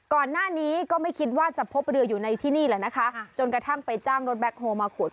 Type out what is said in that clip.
ก่อนหน้านี้ก็ไม่คิดว่าจะพบเรืออยู่ในที่นี่แหละนะคะจนกระทั่งไปจ้างรถแบ็คโฮมาขุด